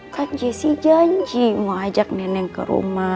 kan jessie janji mau ajak nenek ke rumah